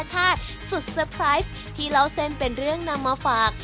เช่นนี้มันเวลาขึ้นมาฝาก